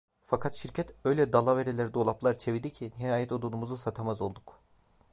Fakat şirket öyle dalavereler, dolaplar çevirdi ki, nihayet odunumuzu satamaz olduk.